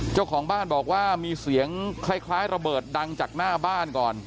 เจ้าของบ้านบอกว่ามีเสียงคล้ายระเบิดดังจากหน้าบ้านก่อน